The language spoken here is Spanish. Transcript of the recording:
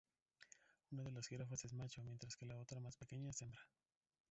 Una de las jirafas es macho, mientras que la otra, más pequeña, es hembra.